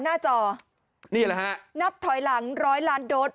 หน้าจอนี่แหละฮะนับถอยหลังร้อยล้านโดส